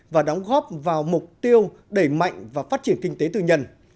và đóng góp vào mục tiêu đẩy mạnh và phát triển kinh tế tư nhân